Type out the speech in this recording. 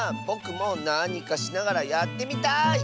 ぼくもなにかしながらやってみたい！